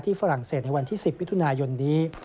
ฝรั่งเศสในวันที่๑๐มิถุนายนนี้